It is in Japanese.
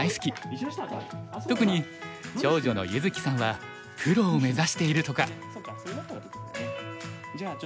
特に長女の優月さんはプロを目指しているとか。